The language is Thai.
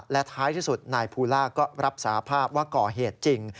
และท้ายที่สุดนายภูล่าก็รับสาภาพว่าก่อเหตุจริง